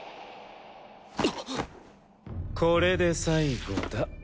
これで最後だ。